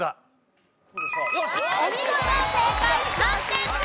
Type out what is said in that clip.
正解！